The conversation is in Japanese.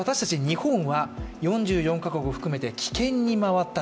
日本は、４４か国含めて棄権に回った。